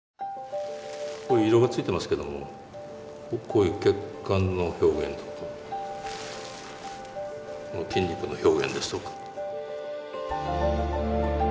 色がついてますけどもこういう血管の表現とか筋肉の表現ですとか。